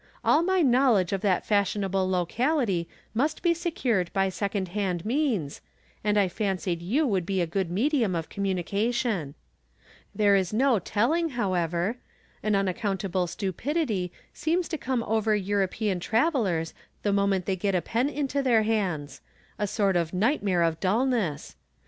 All my laiowledge of that fashionable locality must 18 From Different Standpoints. be secTired by second hand means, and I fancied yon might be a good medium of communication. There is no telling, however. An unaccountable stupidity seems to come over European travelers the moment they get a pen into their hands — a sort of nightmare of dullness.